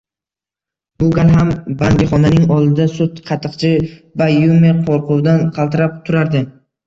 Bu gal ham bangixonaning oldida sut-qatiqchi Bayyumi qo`rquvdan qaltirab turardi